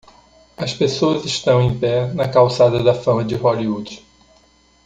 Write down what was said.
As pessoas estão em pé na calçada da fama de Hollywood.